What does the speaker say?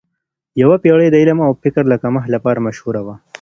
یوه پیړۍ د علم او فکر د کمښت لپاره مشهوره وه.